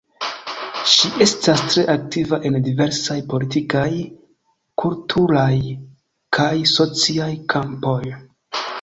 Ŝi estas tre aktiva en diversaj politikaj, kulturaj kaj sociaj kampoj.